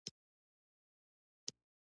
ایا زما زکام به ښه شي؟